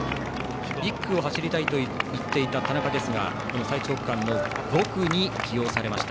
１区を走りたいといっていた田中ですが最長区間の５区に起用されました。